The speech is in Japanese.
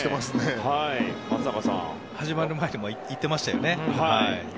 始まる前に言っていましたね。